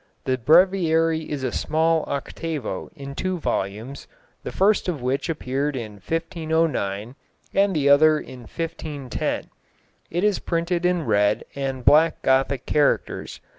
The Breviary is a small octavo in two volumes, the first of which appeared in 1509 and the other in 1510. It is printed in red and black Gothic characters.